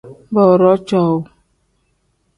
Booroo cowuu.